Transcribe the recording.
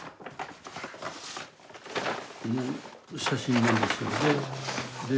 この写真なんですけどね。